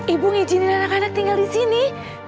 ibu ngizinin anak anak tinggal di sini